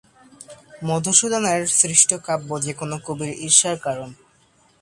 মধুসূদনের সৃষ্ট কাব্য যেকোন কবির ঈর্ষার কারণ।